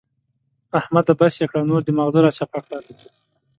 احمده! بس يې کړه نور دې ماغزه را چپه کړل.